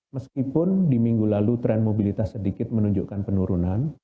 meskipun di minggu lalu tren mobilitas sedikit menunjukkan penurunan